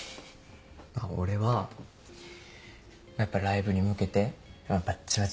俺はやっぱライブに向けてバッチバチ